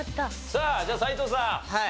さあじゃあ斎藤さん。